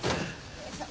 よいしょ。